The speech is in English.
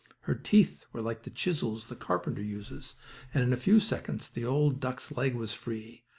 Her teeth were like the chisels the carpenter uses and in a few seconds the old duck's leg was free.